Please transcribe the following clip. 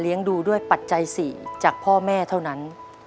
เลี้ยงดูด้วยปัจจัยสี่จากพ่อแม่เท่านั้น